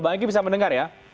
bang egy bisa mendengar ya